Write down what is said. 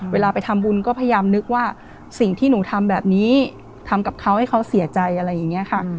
เวลาไปทำบุญก็พยายามนึกว่าสิ่งที่หนูทำแบบนี้ทำกับเขาให้เขาเสียใจอะไรอย่างนี้ค่ะ